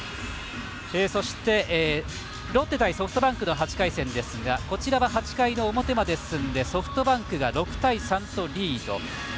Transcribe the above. そして、ロッテ対ソフトバンクの８回戦ですがこちらは８回の表まで進んでソフトバンクが、６対３。